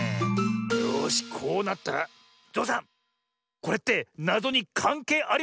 よしこうなったらゾウさんこれってなぞにかんけいありますよね？